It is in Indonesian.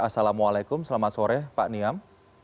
assalamualaikum selamat sore pak niam